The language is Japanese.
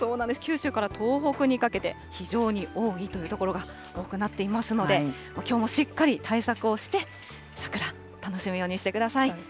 九州から東北にかけて、非常に多いという所が多くなっていますので、きょうもしっかり対策をして、桜、楽しむようにしてください。